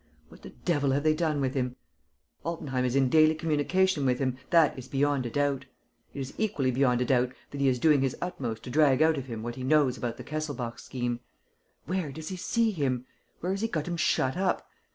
What the devil have they done with him? Altenheim is in daily communication with him: that is beyond a doubt; it is equally beyond a doubt that he is doing his utmost to drag out of him what he knows about the Kesselbach scheme. But where does he see him? Where has he got him shut up?